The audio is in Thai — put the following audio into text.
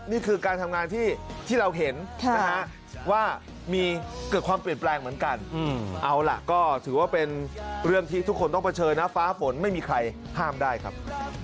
นี่คือการทำงานที่เราเห็นนะฮะว่ามีเกิดความเปลี่ยนแปลงเหมือนกันเอาล่ะก็ถือว่าเป็นเรื่องที่ทุกคนต้องเผชิญนะฟ้าฝนไม่มีใครห้ามได้ครับ